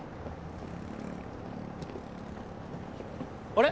あれ？